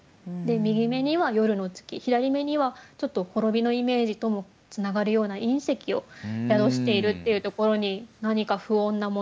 右目には夜の月左目にはちょっと滅びのイメージともつながるような隕石を宿しているっていうところに何か不穏なもの